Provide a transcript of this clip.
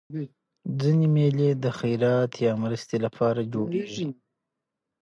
ځيني مېلې د خیرات یا مرستي له پاره جوړېږي.